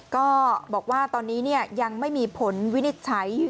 ก็บอกว่าตอนนี้ยังไม่มีผลวินิจฉัย